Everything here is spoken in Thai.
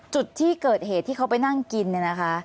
จุดที่เกิดเหตุที่เขาไปนั่งกินเนี่ยนะคะ